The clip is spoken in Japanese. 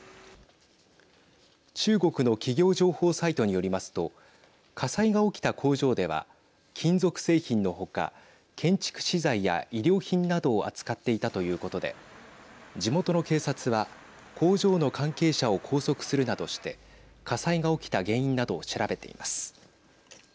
中国の企業情報サイトによりますと火災が起きた工場では金属製品の他建築資材や衣料品などを扱っていたということで地元の警察は工場の関係者を拘束するなどして火災が起きた原因などを調べています。